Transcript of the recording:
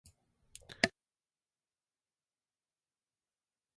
毎日仕事に行く